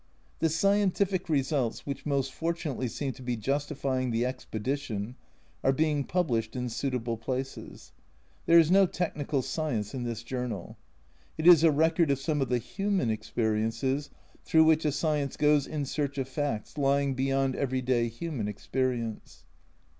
The scientific results, which most fortunately seem to be justifying the expedition, are being published in suitable places ; there is no technical science in this journal. It is a record of some of the human experiences through which a scientist goes in search of facts lying beyond everyday human experience.